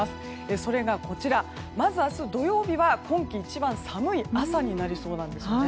それが、まず明日土曜日は今季一番寒い朝になりそうなんですね。